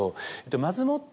まずもって。